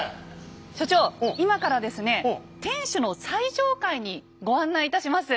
所長今からですね天守の最上階にご案内いたします。